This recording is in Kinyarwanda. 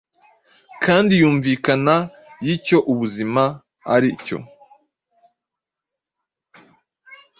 kandi yumvikana y’icyo ubuzima ari cyo.